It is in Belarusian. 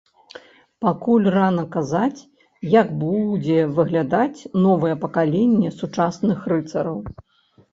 Пакуль рана казаць, як будзе выглядаць новае пакаленне сучасных рыцараў.